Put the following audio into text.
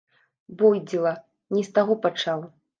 Боўдзіла, не з таго пачаў.